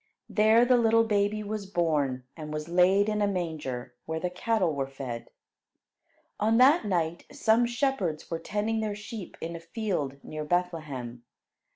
There the little baby was born, and was laid in a manger, where the cattle were fed. On that night, some shepherds were tending their sheep in a field near Bethlehem.